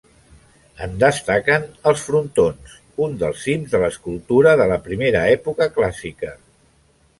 En destaquen els frontons, un dels cims de l'escultura de la primera època clàssica.